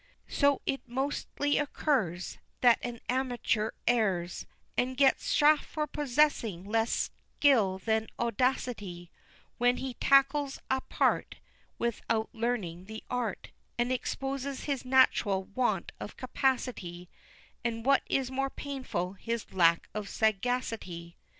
So it mostly occurs That an amateur errs, And gets chaffed for possessing less skill than audacity, When he tackles a part Without learning the art, And exposes his natural want of capacity And what is more painful, his lack of sagacity.